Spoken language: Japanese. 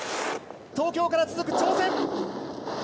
東京から続く挑戦。